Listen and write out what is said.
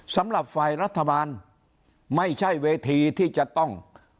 สำหรับฝ่ายรัฐบาลไม่ใช่เวทีที่จะต้อง